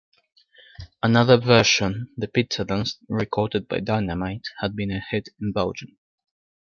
Another version, "De Pizzadans", recorded by Dynamite, had been a hit in Belgium.